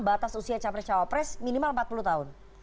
batas usia capres cawapres minimal empat puluh tahun